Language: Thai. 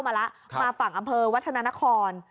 มาขึ้นฝั่งวัฒนานคร